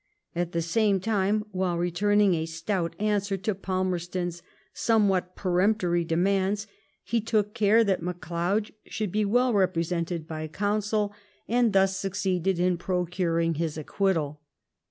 At the same time, while returning a stout answer to Palmerston's somewhat peremptory demands, be took care that McLeod should be well represented by counsel, and 90 LIFE OF VISCOUNT PALMEBSTOJf. thus Bucceeded in procuring bis acquittal.